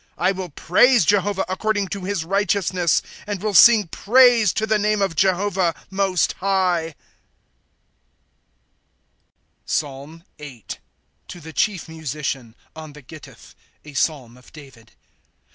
^ I will praise Jehovah, according to his righteousness. And will sing praise to the name of Jehovah Most Higl PSALH Tin. To the chief Musician. On tlie GittiLh. A Psalm of David.